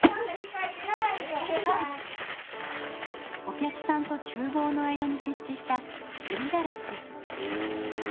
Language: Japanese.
お客さんとちゅうぼうの間に設置したすりガラスです。